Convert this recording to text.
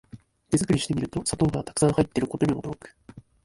手作りしてみると砂糖がたくさん入ってることに驚く